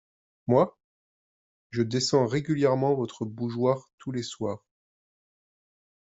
Moi ? je descends régulièrement votre bougeoir tous les soirs.